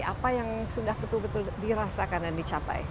apa yang sudah betul betul dirasakan dan dicapai